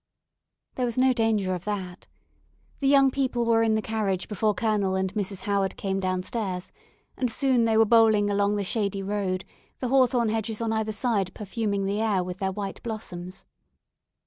There was no danger of that. The young people were in the carriage before Colonel and Mrs. Howard came down stairs, and soon they were bowling along the shady road, the hawthorn hedges on either side perfuming the air with their white blossoms.